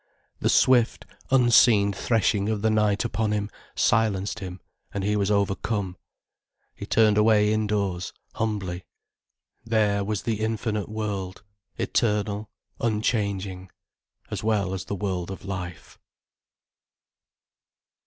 The swift, unseen threshing of the night upon him silenced him and he was overcome. He turned away indoors, humbly. There was the infinite world, eternal, unchanging, as well as the world of life.